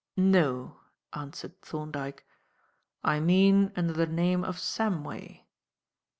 "No," answered Thorndyke. "I mean under the name of Samway.